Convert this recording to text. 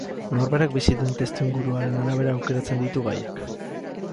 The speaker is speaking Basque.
Norberak bizi duen testuinguruaren arabera aukeratzen ditu gaiak.